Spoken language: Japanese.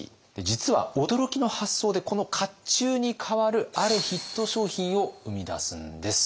実は驚きの発想でこの甲冑に代わるあるヒット商品を生み出すんです。